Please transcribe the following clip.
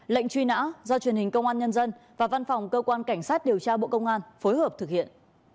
lệnh truy nã do truyền hình công an nhân dân và văn phòng cơ quan cảnh sát điều tra bộ công an phối hợp thực hiện